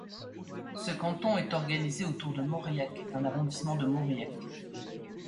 Ce canton est organisé autour de Mauriac dans l'arrondissement de Mauriac.